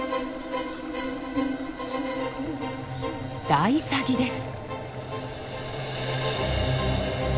ダイサギです。